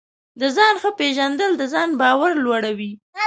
د ځان ښه پېژندل د ځان باور لوړوي.